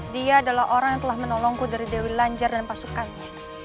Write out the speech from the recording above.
dia adalah orang yang telah menolongku dari dewi lanjar dan pasukannya